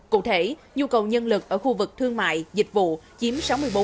cụ thể nhu cầu nhân lực ở khu vực thương mại dịch vụ chiếm sáu mươi bốn năm mươi bảy